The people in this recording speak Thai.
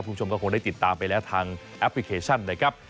คุณผู้ชมก็คงได้ติดตามไปแล้วทางแอปพลิเคชันนะครับ